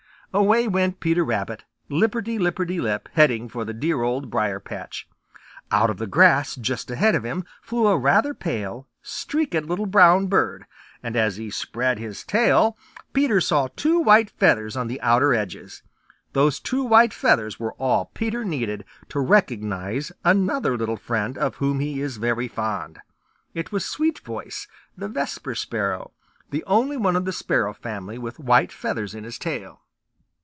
Away went Peter Rabbit, lipperty lipperty lip, heading for the dear Old Briar patch. Out of the grass just ahead of him flew a rather pale, streaked little brown bird, and as he spread his tail Peter saw two white feathers on the outer edges. Those two white feathers were all Peter needed to recognize another little friend of whom he is very fond. It was Sweetvoice the Vesper Sparrow, the only one of the Sparrow family with white feathers in his tail.